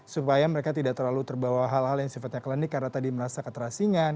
supaya mereka tidak terlalu terbawa hal hal yang sifatnya klinik karena tadi merasa keterasingan